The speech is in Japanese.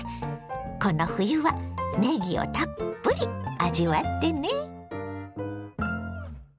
この冬はねぎをたっぷり味わってね！